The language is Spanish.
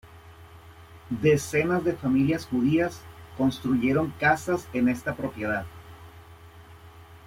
Docenas de familias judías construyeron casas en esta propiedad.